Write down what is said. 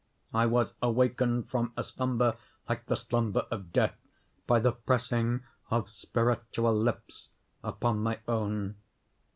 I was awakened from a slumber, like the slumber of death, by the pressing of spiritual lips upon my own.